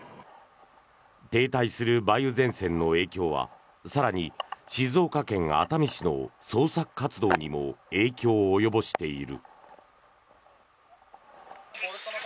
停滞する梅雨前線の影響は更に、静岡県熱海市の捜索活動にも影響を及ぼしている。